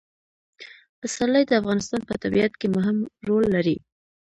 پسرلی د افغانستان په طبیعت کې مهم رول لري.